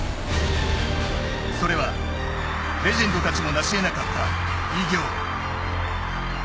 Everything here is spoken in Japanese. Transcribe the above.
それは、レジェンドたちもなし得なかった偉業。